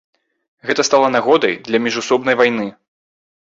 Гэта стала нагодай для міжусобнай вайны.